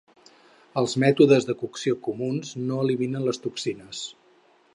Els mètodes de cocció comuns no eliminen les toxines.